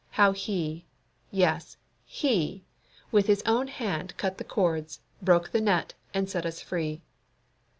How He, yes, HE, with His own hand cut the cords, broke the net, and set us free!